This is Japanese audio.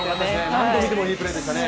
何度見ても、いいプレーでしたね。